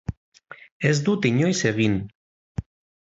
Ez dut inoiz egin.